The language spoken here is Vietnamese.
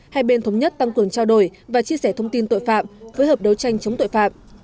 hai bên thống nhất tăng cường trao đổi và chia sẻ thông tin tội phạm phối hợp đấu tranh chống tội phạm